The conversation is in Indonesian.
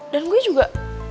dan gue juga